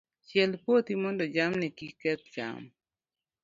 Chiel puothi mondo jamni kik keth cham.